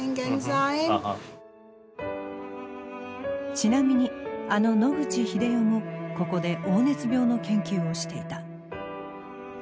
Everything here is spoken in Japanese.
ちなみにあの野口英世もここで黄熱病の研究をしていた。